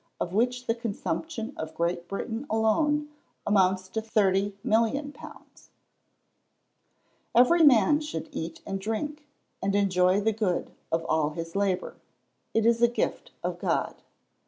of which the consumption of Great Britain alone amounts to 30,000,000. (See 1225). [Verse: "Every man should eat and drink, and enjoy the good of all his labour, it is the gift of God."